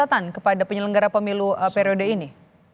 catatan kepada penyelenggara pemilu periode ini